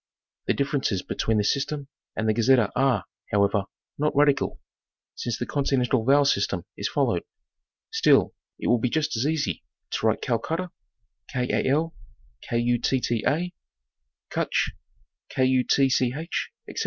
The differences between the system and the Gazetteer are, however, not radical, since the continental vowel system is followed; still, it would be just as easy to write Kalkutta, Kutch, ete.